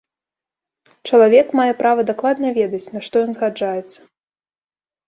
Чалавек мае права дакладна ведаць, на што ён згаджаецца.